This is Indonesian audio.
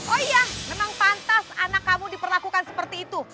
oh iya memang pantas anak kamu diperlakukan seperti itu